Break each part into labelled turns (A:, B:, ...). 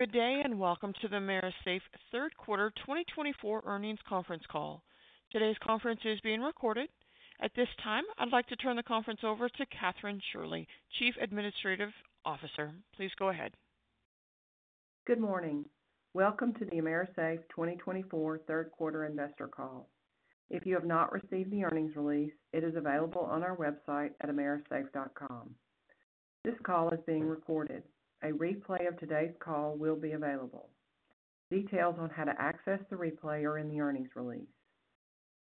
A: Good day, and welcome to the AMERISAFE Q3 2024 Earnings Conference Call. Today's conference is being recorded. At this time, I'd like to turn the conference over to Kathryn Shirley, Chief Administrative Officer. Please go ahead.
B: Good morning. Welcome to the AMERISAFE 2024 Q3 investor call. If you have not received the earnings release, it is available on our website at amerisafe.com. This call is being recorded. A replay of today's call will be available. Details on how to access the replay are in the earnings release.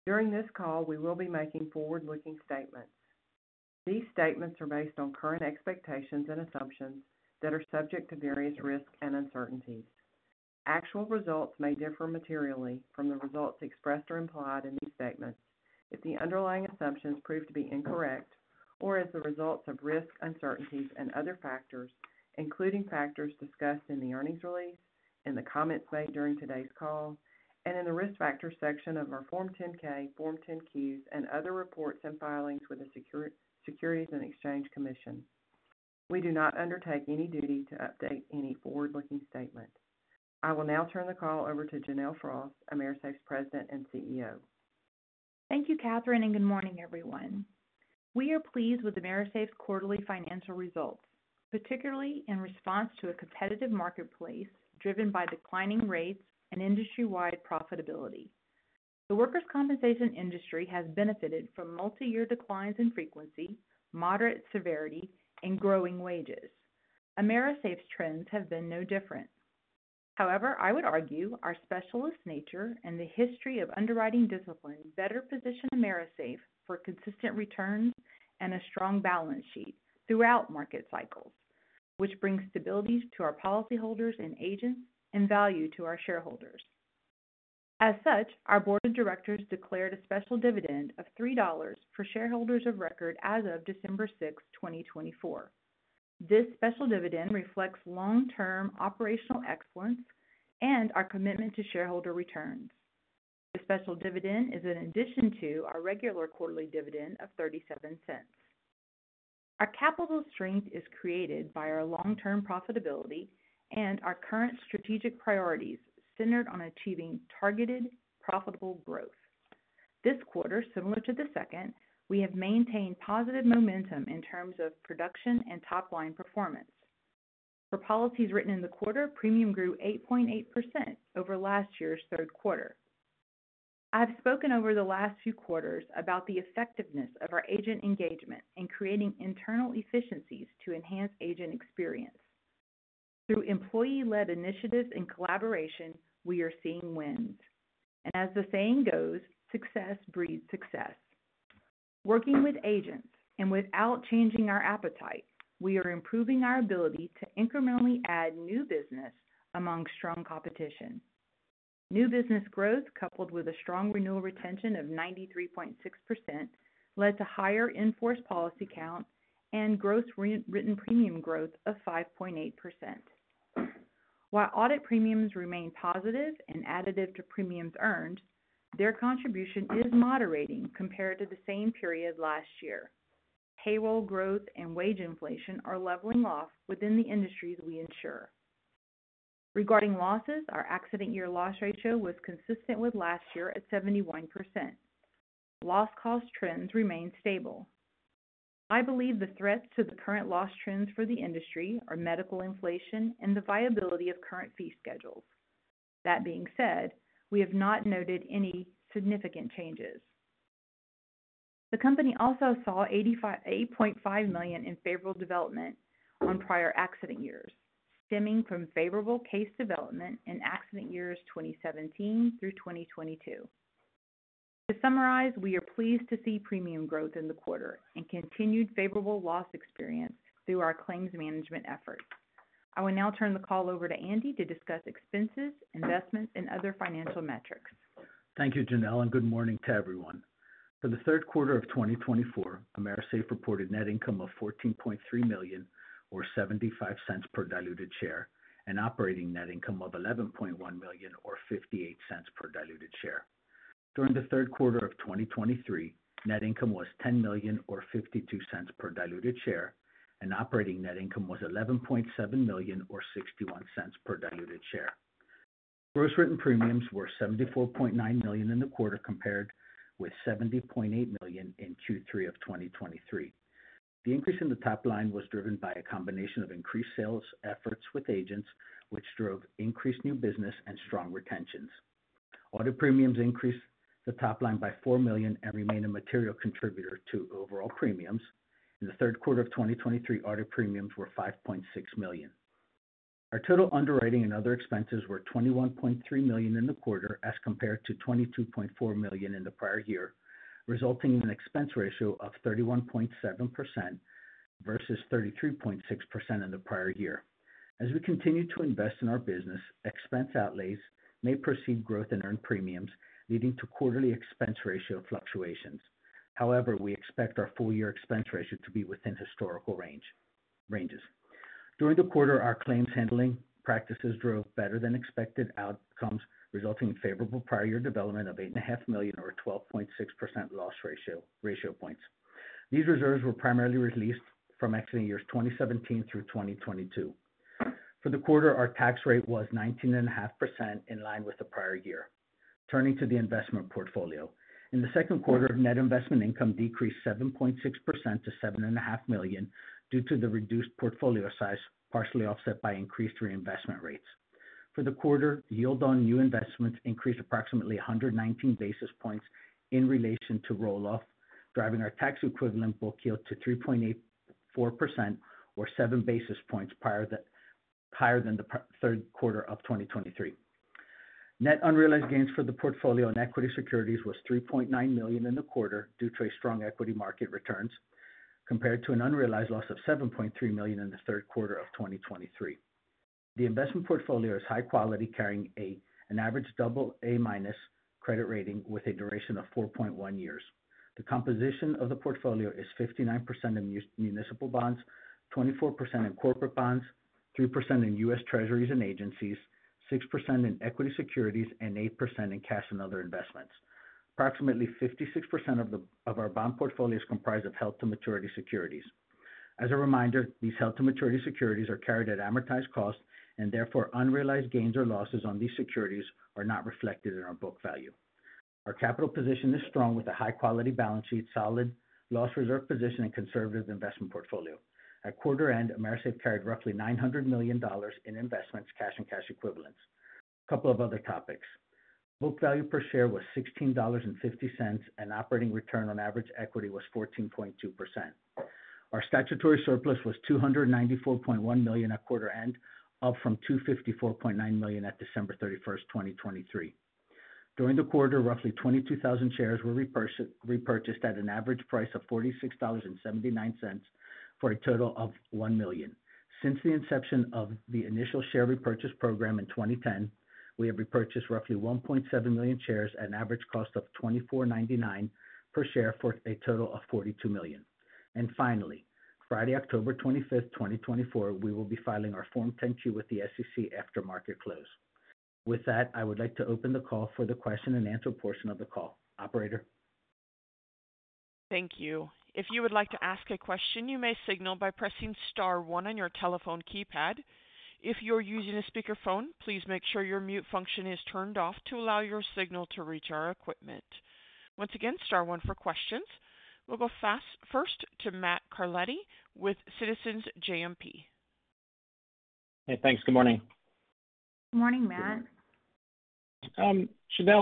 B: During this call, we will be making forward-looking statements. These statements are based on current expectations and assumptions that are subject to various risks and uncertainties. Actual results may differ materially from the results expressed or implied in these statements if the underlying assumptions prove to be incorrect or as a result of risks, uncertainties and other factors, including factors discussed in the earnings release, in the comments made during today's call, and in the Risk Factors section of our Form 10-K, Form 10-Qs, and other reports and filings with the Securities and Exchange Commission. We do not undertake any duty to update any forward-looking statement. I will now turn the call over to Janelle Frost, AMERISAFE's President and CEO.
C: Thank you, Kathryn, and good morning, everyone. We are pleased with AMERISAFE's quarterly financial results, particularly in response to a competitive marketplace driven by declining rates and industry-wide profitability. The workers' compensation industry has benefited from multi-year declines in frequency, moderate severity, and growing wages. AMERISAFE's trends have been no different. However, I would argue our specialist nature and the history of underwriting discipline better position AMERISAFE for consistent returns and a strong balance sheet throughout market cycles, which brings stability to our policyholders and agents and value to our shareholders. As such, our board of directors declared a special dividend of $3 for shareholders of record as of December sixth, 2024. This special dividend reflects long-term operational excellence and our commitment to shareholder returns. The special dividend is in addition to our regular quarterly dividend of $0.37. Our capital strength is created by our long-term profitability and our current strategic priorities centered on achieving targeted, profitable growth. This quarter, similar to the second, we have maintained positive momentum in terms of production and top-line performance. For policies written in the quarter, premium grew 8.8% over last year's Q3. I've spoken over the last few quarters about the effectiveness of our agent engagement in creating internal efficiencies to enhance agent experience. Through employee-led initiatives and collaboration, we are seeing wins. And as the saying goes, success breeds success. Working with agents and without changing our appetite, we are improving our ability to incrementally add new business among strong competition. New business growth, coupled with a strong renewal retention of 93.6%, led to higher in-force policy count and gross written premium growth of 5.8%. While audit premiums remain positive and additive to premiums earned, their contribution is moderating compared to the same period last year. Payroll growth and wage inflation are leveling off within the industries we insure. Regarding losses, our accident year loss ratio was consistent with last year at 71%. Loss cost trends remain stable. I believe the threats to the current loss trends for the industry are medical inflation and the viability of current fee schedules. That being said, we have not noted any significant changes. The company also saw $8.5 million in favorable development on prior accident years, stemming from favorable case development in accident years 2017 through 2022. To summarize, we are pleased to see premium growth in the quarter and continued favorable loss experience through our claims management efforts. I will now turn the call over to Andy to discuss expenses, investments, and other financial metrics.
D: Thank you, Janelle, and good morning to everyone. For the Q3 of 2024, AMERISAFE reported net income of $14.3 million, or $0.75 per diluted share, and operating net income of $11.1 million, or $0.58 per diluted share. During the Q3 of 2023, net income was $10 million or $0.52 per diluted share, and operating net income was $11.7 million or $0.61 per diluted share. Gross written premiums were $74.9 million in the quarter, compared with $70.8 million in Q3 of 2023. The increase in the top line was driven by a combination of increased sales efforts with agents, which drove increased new business and strong retentions. Audit premiums increased the top line by $4 million and remain a material contributor to overall premiums. In the Q3 of 2023, audit premiums were $5.6 million. Our total underwriting and other expenses were $21.3 million in the quarter, as compared to $22.4 million in the prior year, resulting in an expense ratio of 31.7% versus 33.6% in the prior year. As we continue to invest in our business, expense outlays may precede growth in earned premiums, leading to quarterly expense ratio fluctuations. However, we expect our full-year expense ratio to be within historical ranges. During the quarter, our claims handling practices drove better-than-expected outcomes, resulting in favorable prior year development of $8.5 million, or a 12.6% loss ratio, ratio points... These reserves were primarily released from accident years 2017 through 2022. For the quarter, our tax rate was 19.5%, in line with the prior year. Turning to the investment portfolio. In the Q2, net investment income decreased 7.6% to $7.5 million due to the reduced portfolio size, partially offset by increased reinvestment rates. For the quarter, yield on new investments increased approximately 119 basis points in relation to roll-off, driving our tax equivalent book yield to 3.84% or 7 basis points higher than the prior Q3 of 2023. Net unrealized gains for the portfolio in equity securities was $3.9 million in the quarter due to a strong equity market returns, compared to an unrealized loss of $7.3 million in the Q3 of 2023. The investment portfolio is high quality, carrying an average double A minus credit rating with a duration of 4.1 years. The composition of the portfolio is 59% in municipal bonds, 24% in corporate bonds, 3% in U.S. Treasuries and agencies, 6% in equity securities, and 8% in cash and other investments. Approximately 56% of our bond portfolio is comprised of held-to-maturity securities. As a reminder, these held-to-maturity securities are carried at amortized cost, and therefore unrealized gains or losses on these securities are not reflected in our book value. Our capital position is strong with a high-quality balance sheet, solid loss reserve position, and conservative investment portfolio. At quarter end, AMERISAFE carried roughly $900 million in investments, cash and cash equivalents. A couple of other topics. Book value per share was $16.50, and operating return on average equity was 14.2%. Our statutory surplus was $294.1 million at quarter end, up from $254.9 million at December 31st, 2023. During the quarter, roughly 22,000 shares were repurchased at an average price of $46.79, for a total of $1 million. Since the inception of the initial share repurchase program in 2010, we have repurchased roughly 1.7 million shares at an average cost of $24.99 per share, for a total of $42 million. And finally, Friday, October 25th, 2024, we will be filing our Form 10-Q with the SEC after market close. With that, I would like to open the call for the Q&A portion of the call. Operator?
A: Thank you. If you would like to ask a question, you may signal by pressing star one on your telephone keypad. If you're using a speakerphone, please make sure your mute function is turned off to allow your signal to reach our equipment. Once again, star one for questions. We'll go fast, first to Matt Carletti with Citizens JMP.
E: Hey, thanks. Good morning.
C: Good morning, Matt.
E: Janelle,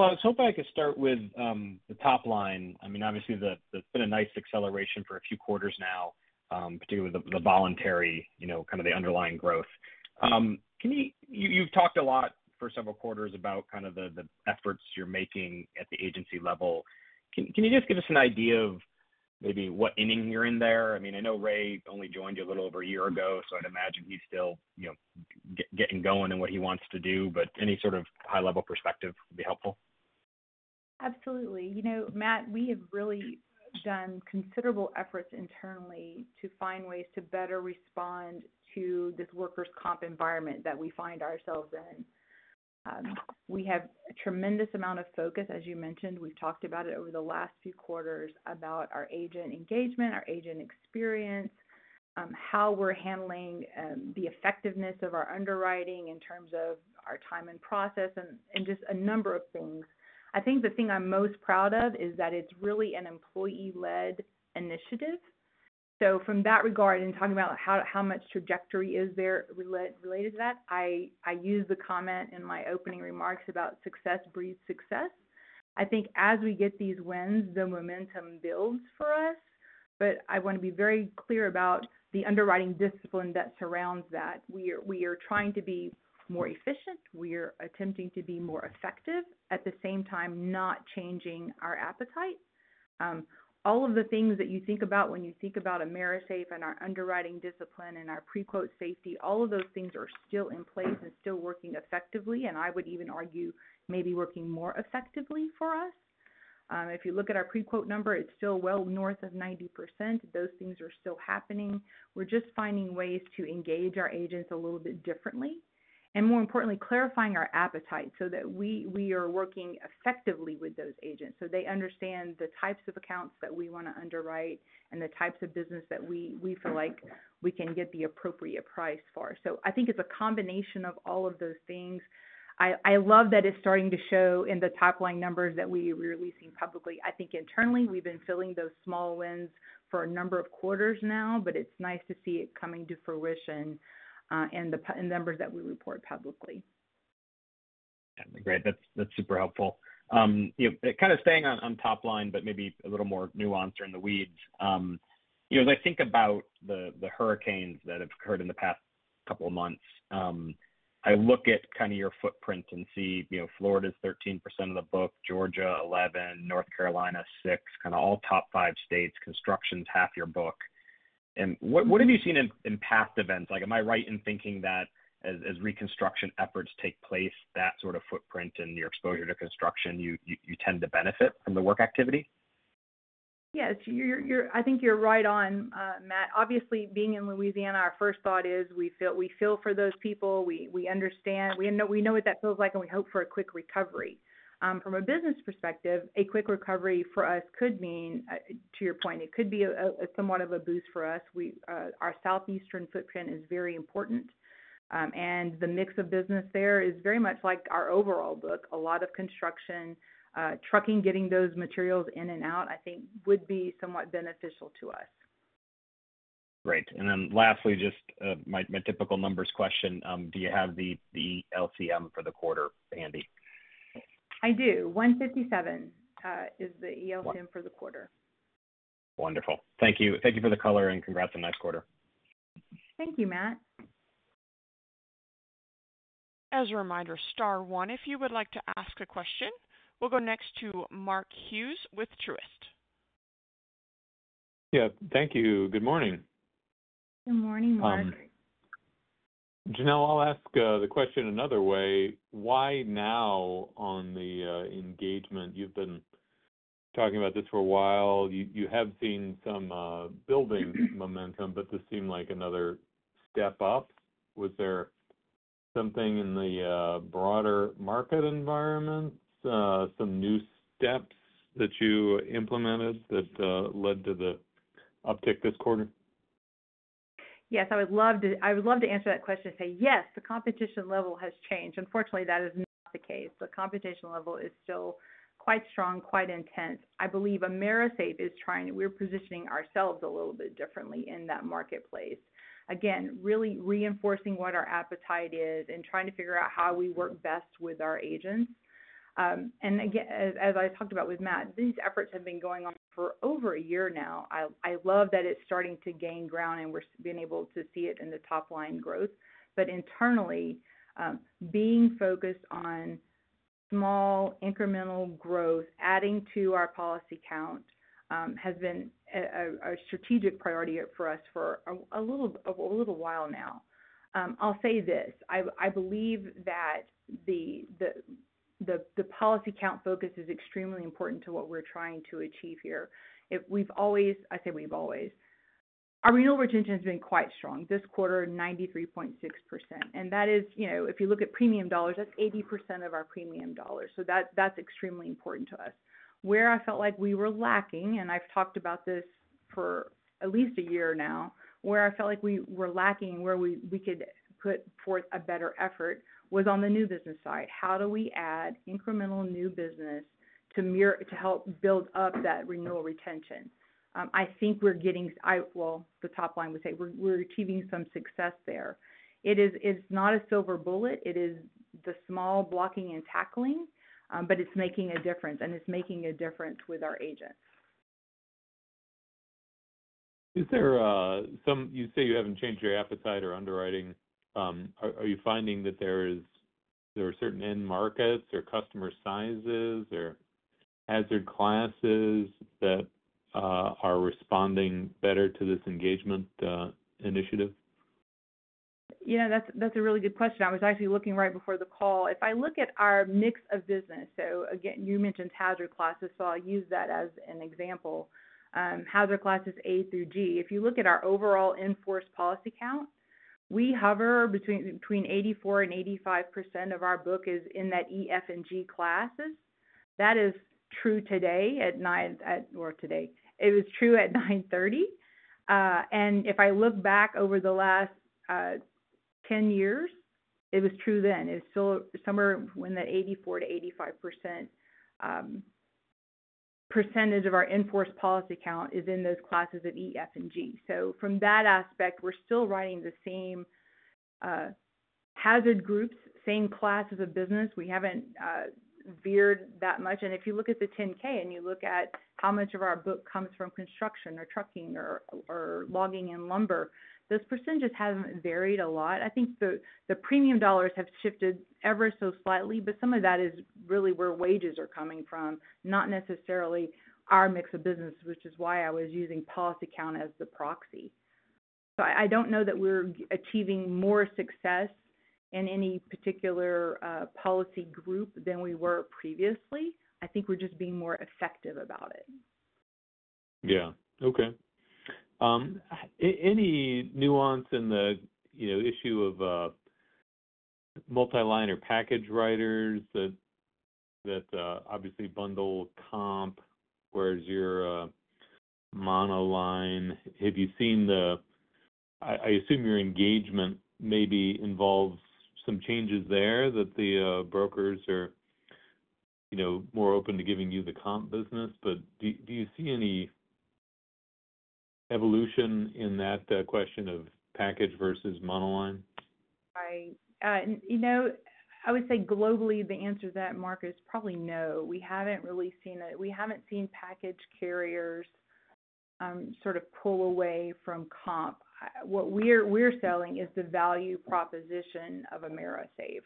E: I was hoping I could start with the top line. I mean, obviously, there's been a nice acceleration for a few quarters now, particularly the voluntary, you know, kind of the underlying growth. Can you... You've talked a lot for several quarters about kind of the efforts you're making at the agency level. Can you just give us an idea of maybe what inning you're in there? I mean, I know Ray only joined you a little over a year ago, so I'd imagine he's still, you know, getting going in what he wants to do, but any sort of high-level perspective would be helpful.
C: Absolutely. You know, Matt, we have really done considerable efforts internally to find ways to better respond to this workers' comp environment that we find ourselves in. We have a tremendous amount of focus, as you mentioned. We've talked about it over the last few quarters about our agent engagement, our agent experience, how we're handling the effectiveness of our underwriting in terms of our time and process, and just a number of things. I think the thing I'm most proud of is that it's really an employee-led initiative. From that regard, in talking about how much trajectory is there related to that, I use the comment in my opening remarks about success breeds success. I think as we get these wins, the momentum builds for us, but I want to be very clear about the underwriting discipline that surrounds that. We are trying to be more efficient. We are attempting to be more effective, at the same time, not changing our appetite. All of the things that you think about when you think about AMERISAFE and our underwriting discipline and our pre-quote safety, all of those things are still in place and still working effectively, and I would even argue, maybe working more effectively for us. If you look at our pre-quote number, it's still well north of 90%. Those things are still happening. We're just finding ways to engage our agents a little bit differently, and more importantly, clarifying our appetite so that we are working effectively with those agents, so they understand the types of accounts that we want to underwrite and the types of business that we feel like we can get the appropriate price for. So I think it's a combination of all of those things. I love that it's starting to show in the top-line numbers that we're releasing publicly. I think internally, we've been filling those small wins for a number of quarters now, but it's nice to see it coming to fruition in the numbers that we report publicly.
E: Great. That's super helpful. You know, kind of staying on top line, but maybe a little more nuanced or in the weeds. You know, as I think about the hurricanes that have occurred in the past couple of months, I look at kind of your footprint and see, you know, Florida's 13% of the book, Georgia 11%, North Carolina 6%, kind of all top five states, construction's 50% of your book. And what have you seen in past events? Like, am I right in thinking that as reconstruction efforts take place, that sort of footprint and your exposure to construction, you tend to benefit from the work activity?
C: Yes, I think you're right on, Matt. Obviously, being in Louisiana, our first thought is we feel for those people, we understand, we know what that feels like, and we hope for a quick recovery. From a business perspective, a quick recovery for us could mean, to your point, it could be somewhat of a boost for us. Our Southeastern footprint is very important, and the mix of business there is very much like our overall book, a lot of construction, trucking, getting those materials in and out, I think would be somewhat beneficial to us.
E: Great. And then lastly, just my typical numbers question, do you have the LCM for the quarter handy?
C: I do. 1.57 is the ELCM for the quarter.
E: Wonderful. Thank you. Thank you for the color, and congrats on nice quarter.
C: Thank you, Matt.
A: As a reminder, star one, if you would like to ask a question. We'll go next to Mark Hughes with Truist.
F: Yeah, thank you. Good morning.
C: Good morning, Mark.
F: Janelle, I'll ask the question another way. Why now on the engagement? You've been talking about this for a while. You have seen some building momentum, but this seemed like another step up. Was there something in the broader market environments, some new steps that you implemented that led to the uptick this quarter?
C: Yes, I would love to answer that question and say, yes, the competition level has changed. Unfortunately, that is not the case. The competition level is still quite strong, quite intense. I believe AMERISAFE is trying, we're positioning ourselves a little bit differently in that marketplace. Again, really reinforcing what our appetite is and trying to figure out how we work best with our agents. And again, as I talked about with Matt, these efforts have been going on for over a year now. I love that it's starting to gain ground, and we're being able to see it in the top line growth. But internally, being focused on small incremental growth, adding to our policy count, has been a strategic priority for us for a little while now. I'll say this. I believe that the policy count focus is extremely important to what we're trying to achieve here. If we've always. Our renewal retention has been quite strong. This quarter, 93.6%, and that is, you know, if you look at premium dollars, that's 80% of our premium dollars, so that's extremely important to us. Where I felt like we were lacking, and I've talked about this for at least a year now, where we could put forth a better effort, was on the new business side. How do we add incremental new business to AMERISAFE to help build up that renewal retention? I think we're getting. The top line would say we're achieving some success there. It is. It's not a silver bullet. It is the small blocking and tackling, but it's making a difference, and it's making a difference with our agents.
F: Is there some... You say you haven't changed your appetite or underwriting. Are you finding that there is, there are certain end markets or customer sizes or hazard classes that are responding better to this engagement initiative?
C: Yeah, that's a really good question. I was actually looking right before the call. If I look at our mix of business, so again, you mentioned hazard classes, so I'll use that as an example. Hazard classes A through G. If you look at our overall in-force policy count, we hover between 84% and 85% of our book is in that E, F, and G classes. That is true today at 9:30. It was true at 9:30. And if I look back over the last 10 years, it was true then. It's still somewhere when that 84%-85% percentage of our in-force policy count is in those classes of E, F, and G. So from that aspect, we're still writing the same hazard groups, same classes of business. We haven't veered that much. And if you look at the 10-K, and you look at how much of our book comes from construction or trucking or logging and lumber, those percentages haven't varied a lot. I think the premium dollars have shifted ever so slightly, but some of that is really where wages are coming from, not necessarily our mix of business, which is why I was using policy count as the proxy. So I don't know that we're achieving more success in any particular policy group than we were previously. I think we're just being more effective about it.
F: Yeah. Okay. Any nuance in the, you know, issue of multi-line or package writers that obviously bundle comp, whereas your monoline, have you seen the... I assume your engagement maybe involves some changes there, that the brokers are, you know, more open to giving you the comp business, but do you see any evolution in that question of package versus monoline?
C: I, you know, I would say globally, the answer to that, Mark, is probably no. We haven't seen package carriers sort of pull away from comp. What we're selling is the value proposition of AMERISAFE.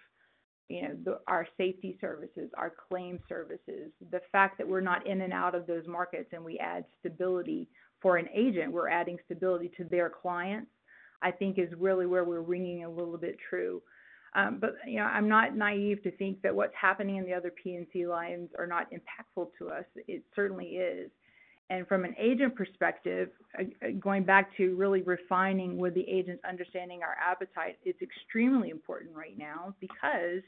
C: You know, the, our safety services, our claim services, the fact that we're not in and out of those markets, and we add stability. For an agent, we're adding stability to their clients, I think is really where we're ringing a little bit true. But, you know, I'm not naive to think that what's happening in the other P&C lines are not impactful to us. It certainly is. And from an agent perspective, going back to really refining with the agents understanding our appetite, it's extremely important right now because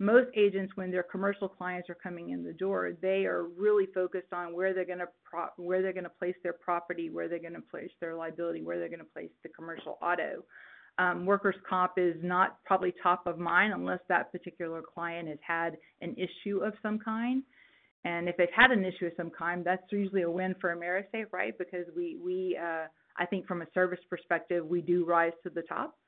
C: most agents, when their commercial clients are coming in the door, they are really focused on where they're gonna place their property, where they're gonna place their liability, where they're gonna place the commercial auto. Workers' comp is not probably top of mind unless that particular client has had an issue of some kind. And if they've had an issue of some kind, that's usually a win for AMERISAFE, right? Because we, I think from a service perspective, we do rise to the top.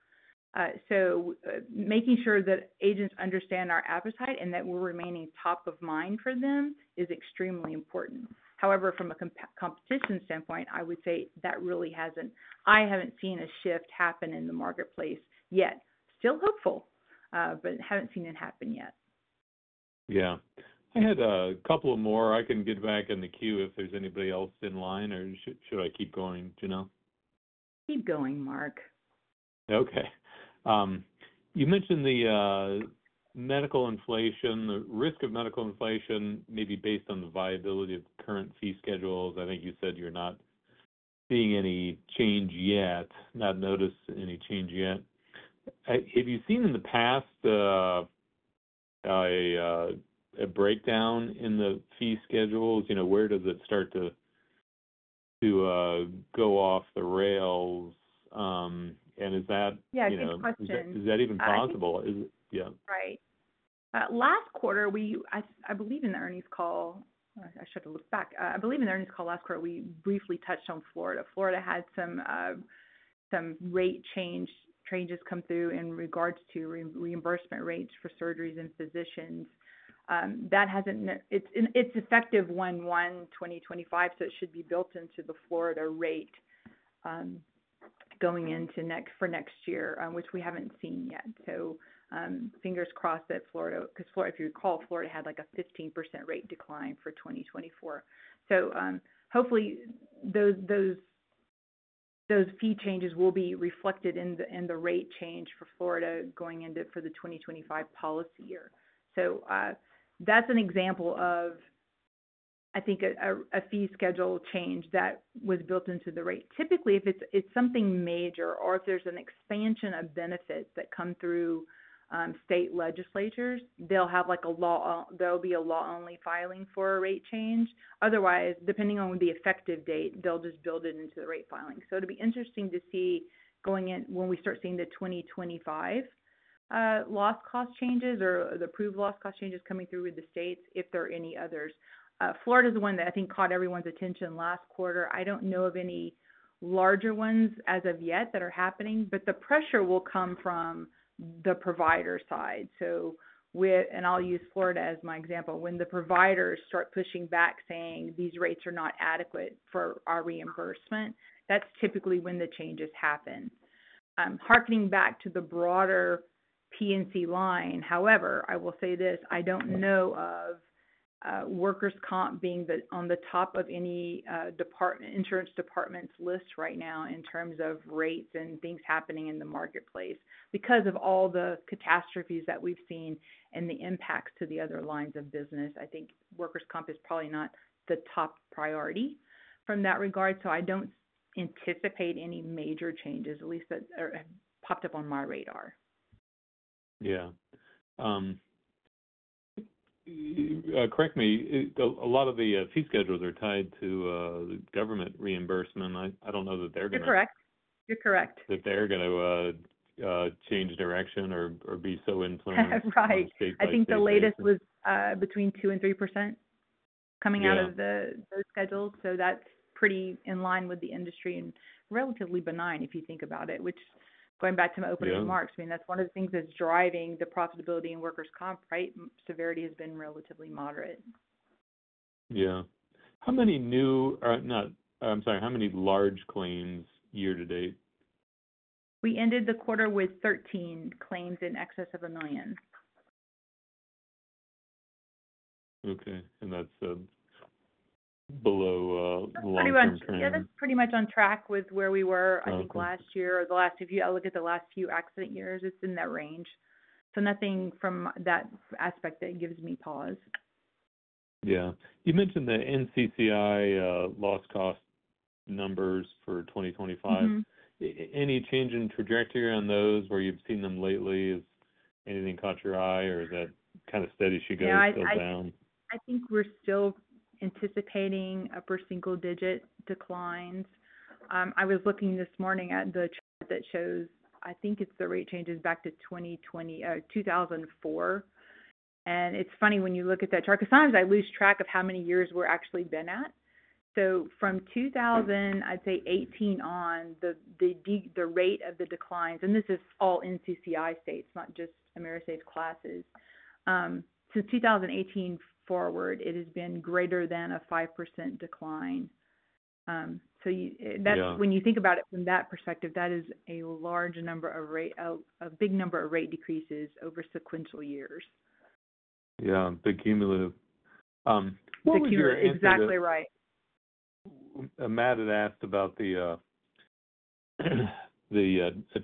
C: So making sure that agents understand our appetite and that we're remaining top of mind for them is extremely important. However, from a competition standpoint, I would say that really hasn't... I haven't seen a shift happen in the marketplace yet. Still hopeful, but haven't seen it happen yet.
F: Yeah. I had a couple more. I can get back in the queue if there's anybody else in line, or should I keep going, Janelle?
A: Keep going, Mark.
F: Okay. You mentioned the medical inflation, the risk of medical inflation, maybe based on the viability of the current fee schedules. I think you said you're not seeing any change yet, not noticed any change yet. Have you seen in the past a breakdown in the fee schedules? You know, where does it start to go off the rails? And is that-
C: Yeah, good question.
F: Is that even possible? Yeah.
C: Right. Last quarter, I believe in the earnings call, I should have looked back. I believe in the earnings call last quarter, we briefly touched on Florida. Florida had some rate changes come through in regards to reimbursement rates for surgeries and physicians. That hasn't. It's effective 1/1/2025, so it should be built into the Florida rate going into next year, which we haven't seen yet. So, fingers crossed that Florida, 'cause Florida, if you recall, Florida had, like, a 15% rate decline for 2024. So, hopefully, those fee changes will be reflected in the rate change for Florida going into the 2025 policy year. So, that's an example of, I think, a fee schedule change that was built into the rate. Typically, if it's something major or if there's an expansion of benefits that come through state legislatures, they'll have, like, a law. There'll be a law-only filing for a rate change. Otherwise, depending on the effective date, they'll just build it into the rate filing. So it'll be interesting to see going in when we start seeing the 2025 loss cost changes or the approved loss cost changes coming through with the states, if there are any others. Florida is the one that I think caught everyone's attention last quarter. I don't know of any larger ones as of yet that are happening, but the pressure will come from the provider side. And I'll use Florida as my example. When the providers start pushing back, saying, "These rates are not adequate for our reimbursement," that's typically when the changes happen. Harkening back to the broader P&C line, however, I will say this: I don't know of workers' comp being on the top of any insurance department's list right now in terms of rates and things happening in the marketplace. Because of all the catastrophes that we've seen and the impacts to the other lines of business, I think workers' comp is probably not the top priority from that regard, so I don't anticipate any major changes, at least that are popped up on my radar.
F: Yeah. Correct me, a lot of the fee schedules are tied to government reimbursement. I don't know that they're gonna-
C: You're correct. You're correct.
F: That they're gonna change direction or be so influenced-
C: Right
F: state by state.
C: I think the latest was between 2% and 3%-
F: Yeah
C: Coming out of those schedules, so that's pretty in line with the industry and relatively benign, if you think about it, which, going back to my opening remarks.
F: Yeah
C: I mean, that's one of the things that's driving the profitability in workers' comp, right? Severity has been relatively moderate.
F: Yeah. I'm sorry, how many large claims year to date?
C: We ended the quarter with 13 claims in excess of $1 million.
F: Okay, and that's below long-term trend.
C: Yeah, that's pretty much on track with where we were-
F: Okay
C: I think last year or the last. If you look at the last few accident years, it's in that range. So nothing from that aspect that gives me pause.
F: Yeah. You mentioned the NCCI loss cost numbers for 2025.
C: Mm-hmm.
F: Any change in trajectory on those, where you've seen them lately? Has anything caught your eye or is that kind of steady she goes still down?
C: Yeah, I think we're still anticipating upper single-digit declines. I was looking this morning at the chart that shows, I think it's the rate changes back to 2004. And it's funny, when you look at that chart, 'cause sometimes I lose track of how many years we've actually been at. So from 2018 on, the rate of the declines, and this is all NCCI states, not just AMERISAFE's classes. So you,
F: Yeah.
C: When you think about it from that perspective, that is a large number of rate, big number of rate decreases over sequential years.
F: Yeah, the cumulative. I think your answer-
C: You're exactly right.
F: Matt had asked about the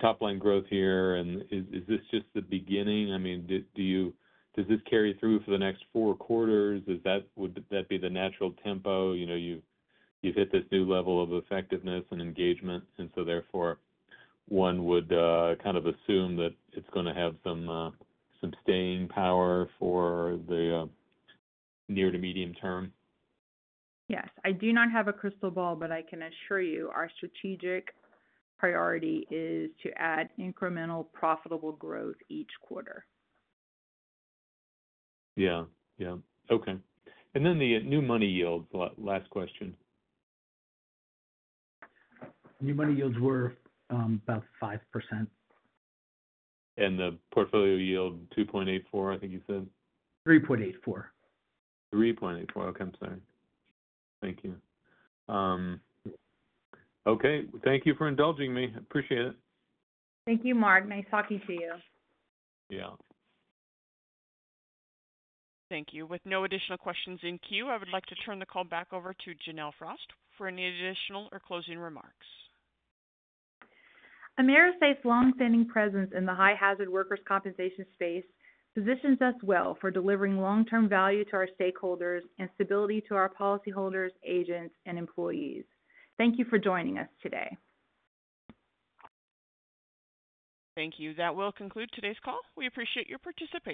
F: top-line growth here, and is this just the beginning? I mean, do you does this carry through for the next four quarters? Does that... Would that be the natural tempo? You know, you've hit this new level of effectiveness and engagement, and so therefore, one would kind of assume that it's gonna have some staying power for the near to medium term.
C: Yes. I do not have a crystal ball, but I can assure you our strategic priority is to add incremental profitable growth each quarter.
F: Yeah. Yeah. Okay. And then the new money yields. Last question.
D: New money yields were about 5%.
F: And the portfolio yield, two point eight four, I think you said?
D: Three point eight four.
F: 3.84. Okay, I'm sorry. Thank you. Okay. Thank you for indulging me. I appreciate it.
C: Thank you, Mark. Nice talking to you.
F: Yeah.
A: Thank you. With no additional questions in queue, I would like to turn the call back over to Janelle Frost for any additional or closing remarks.
C: AMERISAFE's long-standing presence in the high-hazard workers' compensation space positions us well for delivering long-term value to our stakeholders and stability to our policyholders, agents, and employees. Thank you for joining us today.
A: Thank you. That will conclude today's call. We appreciate your participation.